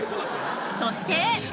そして。